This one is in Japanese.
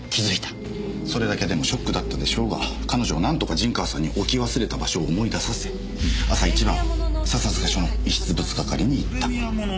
それだけでもショックだったでしょうが彼女はなんとか陣川さんに置き忘れた場所を思い出させ朝一番笹塚署の遺失物係に行った。